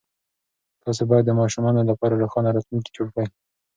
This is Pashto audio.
تاسې باید د ماشومانو لپاره روښانه راتلونکی جوړ کړئ.